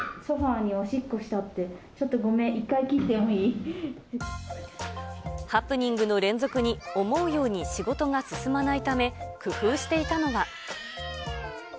ソファにおしっこしたって、ちょっとごめん、ハプニングの連続に、思うように仕事が進まないため、工夫していたのが。